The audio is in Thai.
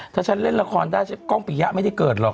ถ้าฉันเล่นละครได้กล้องปียะไม่ได้เกิดหรอก